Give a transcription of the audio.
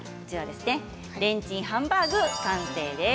レンチンハンバーグ完成です。